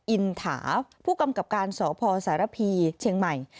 อินถาผู้กำกับการสพสารพีเชียงใหม่